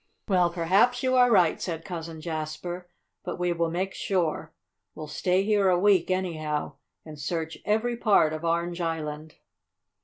"Well, perhaps you are right," said Cousin Jasper, "but we will make sure. We'll stay here a week, anyhow, and search every part of Orange Island."